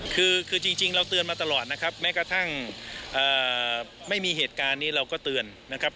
คือจริงเราเตือนมาตลอดนะครับแม้กระทั่งไม่มีเหตุการณ์นี้เราก็เตือนนะครับ